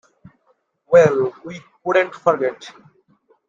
Well, we couldn't forget.